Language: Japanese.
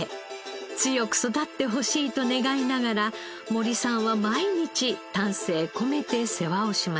強く育ってほしいと願いながら森さんは毎日丹精込めて世話をしました。